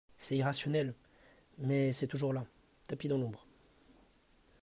C'est irrationnel, mais c'est toujours là, tapis dans l'ombre.